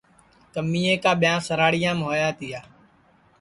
کمیے کا ٻیاں سراہڑیام ہویا تیا